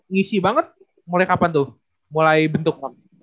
ngisi banget mulai kapan tuh mulai bentuk